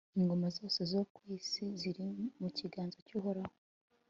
ingoma zose zo ku isi ziri mu kiganza cy'uhoraho